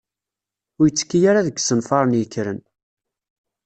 Ur yettekki ara deg yisenfaṛen yekkren.